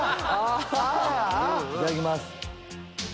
いただきます。